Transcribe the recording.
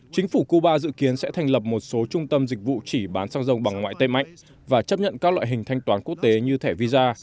chính phủ cuba dự kiến sẽ thành lập một số trung tâm dịch vụ chỉ bán xăng dầu bằng ngoại tệ mạnh và chấp nhận các loại hình thanh toán quốc tế như thẻ visa